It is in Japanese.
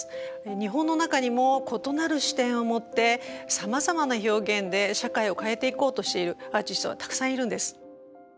日本の中にも異なる視点を持ってさまざまな表現で社会を変えていこうとしているアーティストはたくさんいるんです。